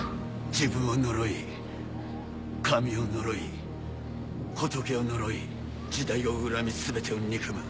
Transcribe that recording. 自分を呪い神を呪い仏を呪い時代を恨み全てを憎む。